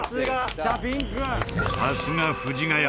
さすが藤ヶ谷。